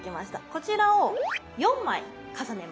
こちらを４枚重ねます。